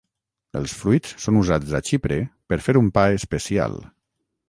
Els fruits són usats a Xipre per fer un pa especial.